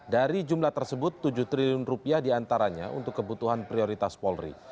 dari jumlah tersebut tujuh triliun rupiah diantaranya untuk kebutuhan prioritas polri